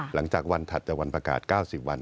หลังจากวันถัดจากวันประกาศ๙๐วัน